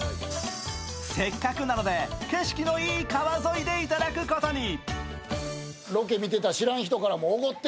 せっかくなので、景色のいい川沿いでいただくことに。